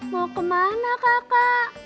mau kemana kakak